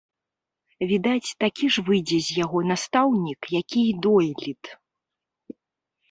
Відаць, такі ж выйдзе з яго настаўнік, які і дойлід.